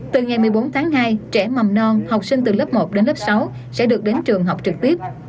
từ ngày một mươi bốn tháng hai trẻ mầm non học sinh từ lớp một đến lớp sáu sẽ được đến trường học trực tiếp